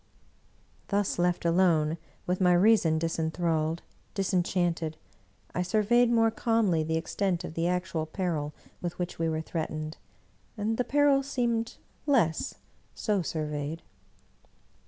Thus left alone, with my reason disinthralled, disen chanted, I surveyed more calmly the extent of the actual peril with which we were threatened, and the peril seemed less, so surveyed.